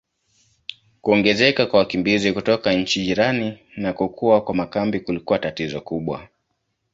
Kuongezeka kwa wakimbizi kutoka nchi jirani na kukua kwa makambi kulikuwa tatizo kubwa.